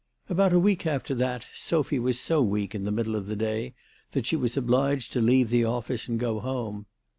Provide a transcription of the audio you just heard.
About a week after that Sophy was so weak in the middle of the day that she was obliged to leave the office and go home.